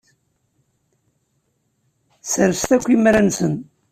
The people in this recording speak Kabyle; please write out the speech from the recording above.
Sserset akk imra-nsen.